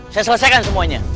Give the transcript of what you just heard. saya selesaikan semuanya